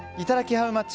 ハウマッチ。